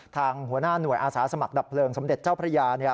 หัวหน้าหน่วยอาสาสมัครดับเพลิงสมเด็จเจ้าพระยา